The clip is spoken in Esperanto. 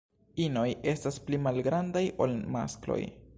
Inoj estas pli malgrandaj ol maskloj.